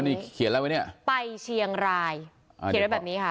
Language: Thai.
นี่เขียนอะไรไว้เนี่ยไปเชียงรายเขียนไว้แบบนี้ค่ะ